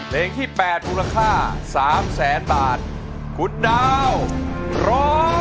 เหลงที่๘มูลค่า๓แสนบาทคุณดาวร้อง